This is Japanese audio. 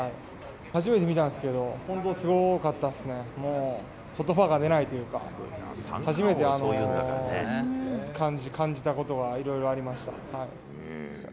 初めて見たんですけど、本当すごかったっすね、もう、ことばが出ないというか、初めて感じたことはいろいろありました。